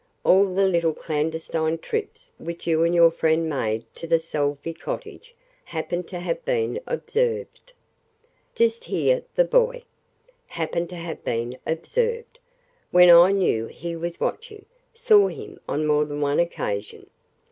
All the little clandestine trips which you and your friend made to the Salvey cottage happened to have been observed.' Just hear the boy! Happened to have been observed, when I knew he was watching saw him on more than one occasion."